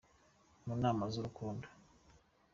Mu nama z’urukundo.